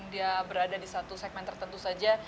dia berada di satu segmen tertentu saja